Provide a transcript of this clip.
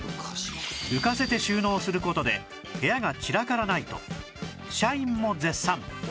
浮かせて収納する事で部屋が散らからないと社員も絶賛！